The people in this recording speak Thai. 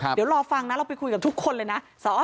เดี๋ยวรอฟังนะเราไปคุยกับทุกคนเลยนะ